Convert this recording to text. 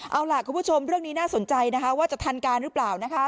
เอาล่ะคุณผู้ชมเรื่องนี้น่าสนใจนะคะว่าจะทันการหรือเปล่านะคะ